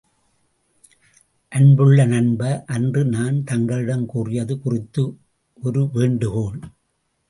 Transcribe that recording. அன்புள்ள நண்ப, அன்று நான் தங்களிடம் கூறியது குறித்து ஒரு வேண்டுகோள்.